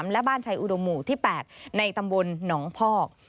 และบ้านชัยอุดมหมู่ที่๘ในตำบลหนองพอก